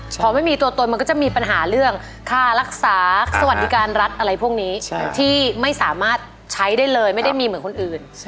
พอไม่มีตัวตนมันก็จะมีปัญหาเรื่องค่ารักษาสวัสดิการรัฐอะไรพวกนี้ที่ไม่สามารถใช้ได้เลยไม่ได้มีเหมือนคนอื่น